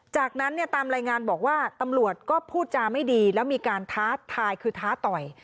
จากนั้นเนี่ยตามรายงานบอกว่าตำรวจก็พูดจาไม่ดีแล้วมีการท้าทายคือท้าต่อย